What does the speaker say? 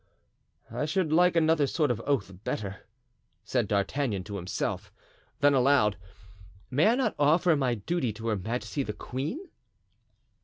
"I should like another sort of oath better," said D'Artagnan to himself; then aloud, "May I not offer my duty to her majesty the queen?"